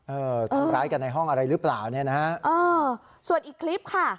เออทำร้ายกันในห้องอะไรหรือเปล่าเนี่ยนะฮะเออส่วนอีกคลิปค่ะ